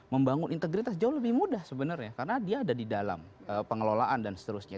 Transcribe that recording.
membangun integritas jauh lebih mudah sebenarnya karena dia ada di dalam pengelolaan dan seterusnya